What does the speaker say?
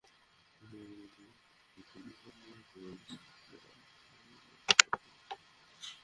শোকাক্রান্ত কাঞ্চন তখনই সিদ্ধান্ত নিয়েছিলেন অভিনয় ছেড়ে সন্তানদের সঙ্গে পুরোটা সময় কাটাবেন।